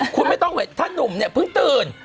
คุณไม่ต้องถ้านุ่มเนี่ยเพิ่งตื่น